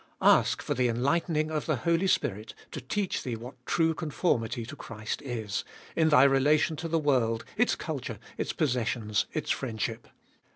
Ask for the enlightening of the Holy Spirit to teach thee what true conformity to Christ is, in thy relation to the world, its culture, its possessions, its friendship.